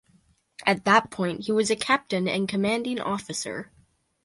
At that point, he was a captain and commanding officer.